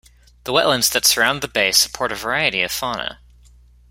The wetlands that surround the bay support a variety of fauna.